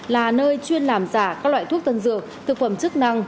là nơi chuyên làm giả các loại thuốc tân dược thực phẩm chức năng